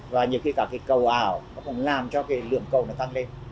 và nhiều khi cả cái cầu ảo nó còn làm cho cái lượng cầu nó tăng lên